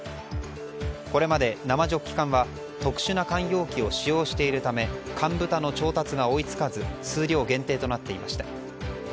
これまで、生ジョッキ缶は特殊な缶容器を使用しているため缶ぶたの調達が追い付かず数量限定となっていました。